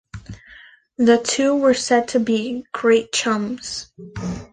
The two were said to be "great chums".